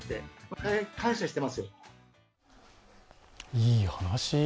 いい話。